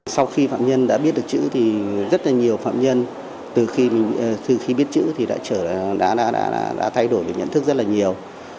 sau khi phạm nhân đã biết được chữ thì rất là nhiều phạm nhân từ khi biết chữ thì đã thay đổi được nhận thức rất là nhiều